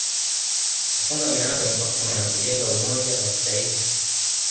kufunga milango ni pamoja na kujenga umoja wa kitaifa